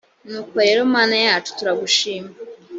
nuko rero mana yacu turagushima